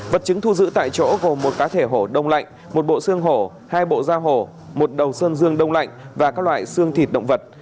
vật chứng thu giữ tại chỗ gồm một cá thể hổ đông lạnh một bộ xương hổ hai bộ gia hồ một đầu sơn dương đông lạnh và các loại xương thịt động vật